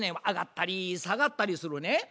上がったり下がったりするね。